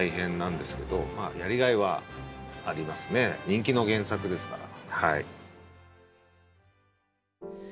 人気の原作ですから。